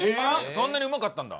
そんなにうまかったんだ？